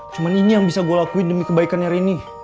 cuman ini yang bisa gue lakuin demi kebaikannya reni